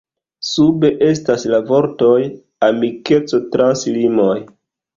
Sube estas la vortoj “Amikeco trans limoj”.